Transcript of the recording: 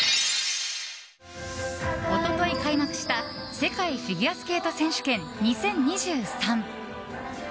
一昨日、開幕した世界フィギュアスケート選手権２０２３。